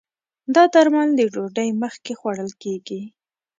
دا درمل د ډوډی مخکې خوړل کېږي